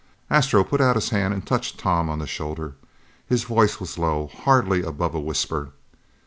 Astro put out his hand and touched Tom on the shoulder. His voice was low, hardly above a whisper.